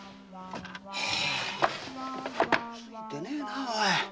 ついてねえなおい。